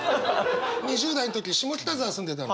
２０代の時下北沢住んでたの。